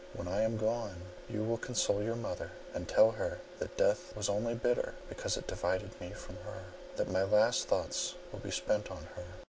When I am gone, you will console your mother, and tell her that death was only bitter because it divided me from her; that my last thoughts will be spent on her.